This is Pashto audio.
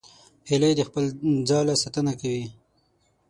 هیلۍ د خپل ځاله ساتنه کوي